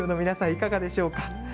いかがでしょうか？